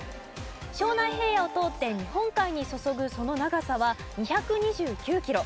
庄内平野を通って日本海に注ぐその長さは２２９キロ。